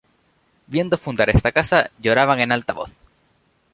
viendo fundar esta casa, lloraban en alta voz.